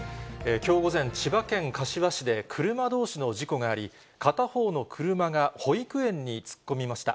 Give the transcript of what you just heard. きょう午前、千葉県柏市で車どうしの事故があり、片方の車が保育園に突っ込みました。